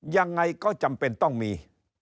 ยังไงก็จำเป็นต้องมี